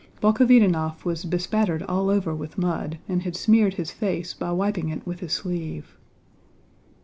Bolkhovítinov was bespattered all over with mud and had smeared his face by wiping it with his sleeve.